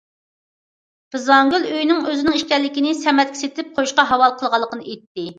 رىزۋانگۈل ئۆينىڭ ئۆزىنىڭ ئىكەنلىكىنى، سەمەتكە سېتىپ قويۇشقا ھاۋالە قىلغانلىقىنى ئېيتتى.